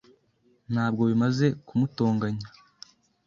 Ntabwo bimaze kumutonganya.